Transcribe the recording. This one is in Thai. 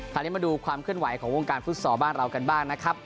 มาดูความเคลื่อนไหวของวงการฟุตซอลบ้านเรากันบ้างนะครับ